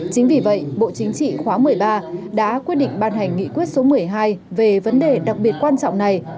chính vì vậy bộ chính trị khóa một mươi ba đã quyết định ban hành nghị quyết số một mươi hai về vấn đề đặc biệt quan trọng này